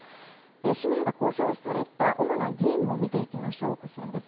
氏名が公表された主な議員を見ていきましょう。